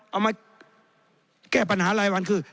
เอามาแก้ปัญหาอะไรกันคือ